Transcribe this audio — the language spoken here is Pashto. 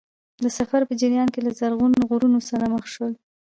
د سفر په جریان کې له زرغون غرونو سره مخ شول.